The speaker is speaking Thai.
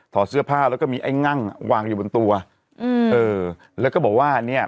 เสื้อผ้าแล้วก็มีไอ้งั่งอ่ะวางอยู่บนตัวอืมเออแล้วก็บอกว่าเนี้ย